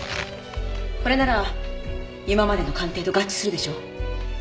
これなら今までの鑑定と合致するでしょ？